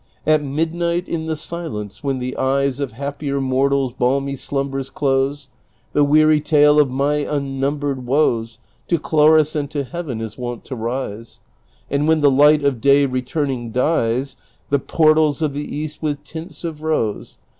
At midnight, in the silence, when the eyes Of happier mortals Ijalmy slumbers close, The weary tale of my unnumbered woes To Chloris and to Heaven is wont to rise. And when the light of day returning dyes The portals of the east with tints of rose.